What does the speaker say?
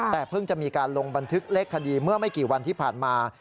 แต่เพิ่งจะมีการลงบันทึกเลขคดีเมื่อไม่กี่วันที่ผ่านมา